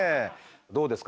どうですか？